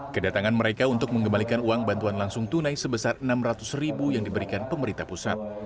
kedatangan mereka untuk mengembalikan uang bantuan langsung tunai sebesar rp enam ratus ribu yang diberikan pemerintah pusat